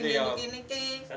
untuk sambil masak